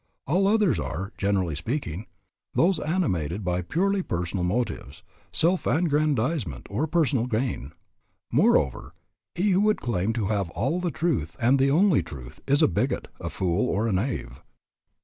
All others are, generally speaking, those animated by purely personal motives, self aggrandizement, or personal gain. Moreover, he who would claim to have all truth and the only truth, is a bigot, a fool, or a knave.